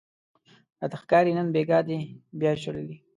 راته ښکاري نن بیګاه دې بیا ژړلي